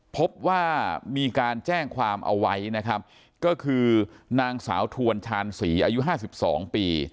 พบว่ามีการแจ้งความเอาไว้นะครับก็คือนางสาวทวนชาญศรีอายุ๕๒ปี